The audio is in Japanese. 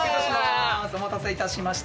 お待たせいたしました。